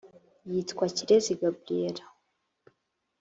yitwa kirezi gabriella